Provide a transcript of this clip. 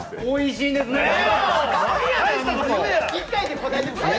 おいしいんですね。